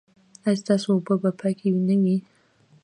ایا ستاسو اوبه به پاکې نه وي؟